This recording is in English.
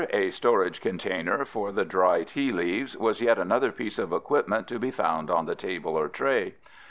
22), a storage container for the dry tea leaves, was yet another piece of equipment to be found on the table or tray.